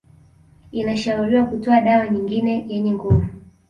Inashauriwa kutoa dawa nyingine yenye nguvu